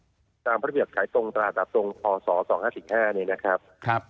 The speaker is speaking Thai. ต้องตามประเภทขายตรงตราตรับตรงอส๒๕๕เนี่ยนะครับ